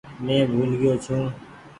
مين بهول گئيو ڇو۔